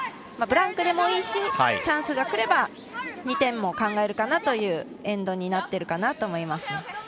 ブランクでもいいしチャンスが来れば２点も考えるかなというエンドになっていると思います。